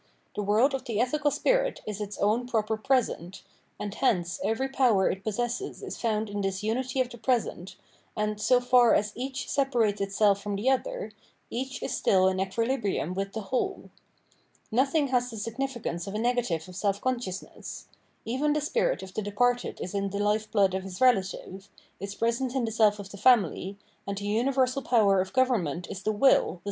The world of the ethical spirit is its own proper present ; and hence every power it possesses is foimd in this unity of the present, and, so far as each separates itself from the other, each is still in equilibrium with the whole. Nothing has the significance of a negative of self consciousness; even the spirit of the departed is in the life blood of his relative, is present in the self of the family, and the universal power of government is the will, the.